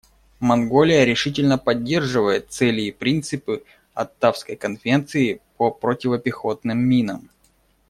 Монголия решительно поддерживает цели и принципы Оттавской конвенции по противопехотным минам.